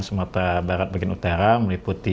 sumatera barat bagian utara meliputi